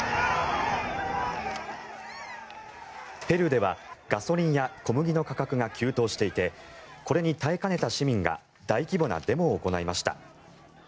ペルーでは、ガソリンや小麦の価格が急騰していてこれに耐えかねた市民が大規模なデモを行いました。